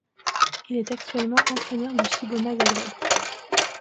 Il est actuellement entraîneur du Cibona Zagreb.